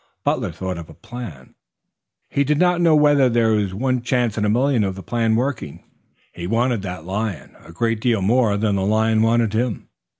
Butler thought of a plan. He did not know whether there were one chance in a million of the plan working. He wanted that lion a great deal more than the lion wanted him.